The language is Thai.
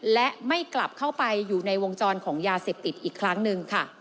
และไม่กลับเข้าไปอยู่ในวงจรของยาเสพติดอีกครั้งหนึ่งค่ะ